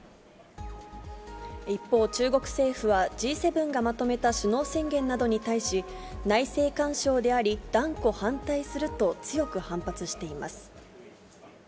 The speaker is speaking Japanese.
一方、中国政府はＧ７がまとめた首脳宣言などに対し、内政干渉であり、断固反対すると強く反発しています。